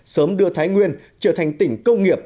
sớm đưa thái nguyên trở thành tỉnh công nghiệp